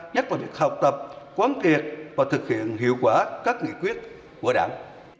nhắc vào việc học tập quán kiệt và thực hiện hiệu quả các nghị quyết của đảng